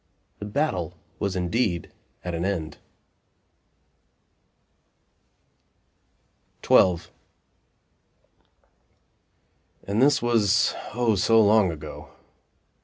The battle was indeed at an end. XII And this was, O so long ago!